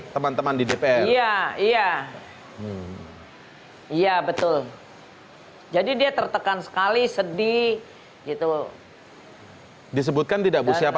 teman teman di dpr iya iya iya betul jadi dia tertekan sekali sedih gitu disebutkan tidak bu siapa